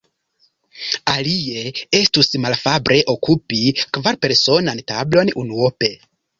Alie, estus malafable okupi kvarpersonan tablon unuope.